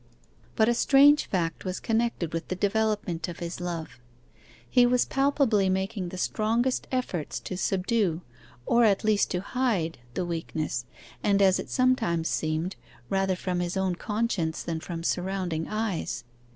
But a strange fact was connected with the development of his love. He was palpably making the strongest efforts to subdue, or at least to hide, the weakness, and as it sometimes seemed, rather from his own conscience than from surrounding eyes.